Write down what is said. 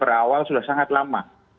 berawal sudah sangat lama